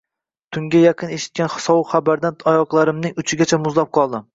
Tunga yaqin eshitgan sovuq xabardan oyoqlarimning uchigacha muzlab qoldim